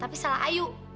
tapi salah ayu